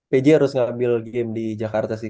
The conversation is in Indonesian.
pj harus ngambil game di jakarta sih